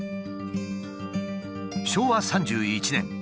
昭和３１年。